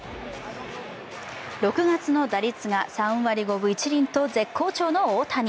６月の打率が３割５分１厘と絶好調の大谷。